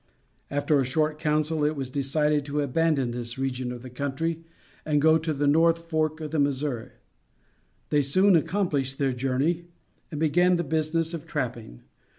After a short council, it was decided to abandon this region of the country and go to the North Fork of the Missouri. They soon accomplished their journey and began the business of trapping.